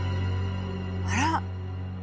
あら。